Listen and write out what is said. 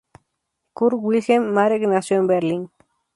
Kurt Wilhelm Marek nació en Berlín.